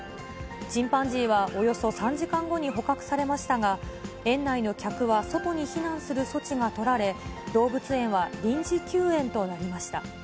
チンパンジーはおよそ３時間後に捕獲されましたが、園内の客は外に避難する措置が取られ、動物園は臨時休園となりました。